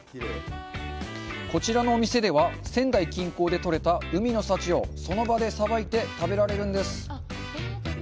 こちらのお店では、仙台近郊で取れた海の幸をその場でさばいて食べられるんです。